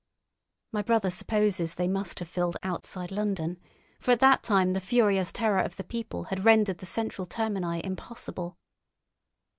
My brother supposes they must have filled outside London, for at that time the furious terror of the people had rendered the central termini impossible.